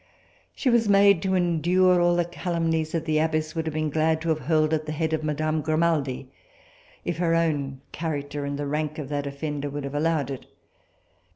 She was made to endure all the calumnies that the abbess would have been glad to have hurled at the head of madame Grimaldi, if her own character and the rank of that offender would have allowed it.